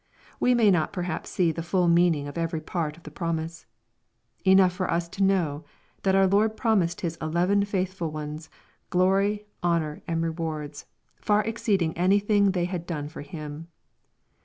We may not perhaps see the full meaning of every part of the promise. Enough for us to know that our Lord promised His eleven faithful ones, glory, honor, and re wards, far exceeding anything they had done for Him.